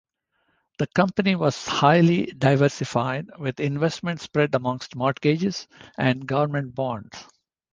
The company was highly diversified, with investments spread amongst mortgages and government bonds.